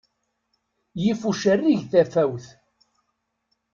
Yif ucerrig tafawet.